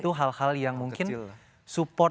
itu hal hal yang mungkin support